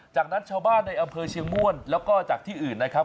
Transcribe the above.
จากนั้นชาวบ้านในอำเภอเชียงม่วนแล้วก็จากที่อื่นนะครับ